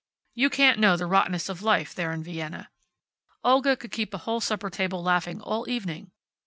You can't know the rottenness of life there in Vienna. Olga could keep a whole supper table laughing all evening.